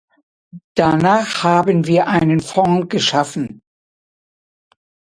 Danach haben wir einen Fonds geschaffen.